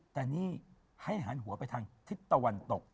แต่นี่ให้หันหัวไปทางทิศตะวันตก